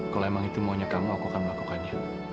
kalau emang itu maunya kamu aku akan melakukannya